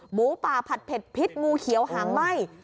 หมูป่าผัดเผ็ดพิษงูเขียวหางไหม้